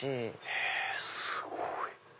へぇすごい！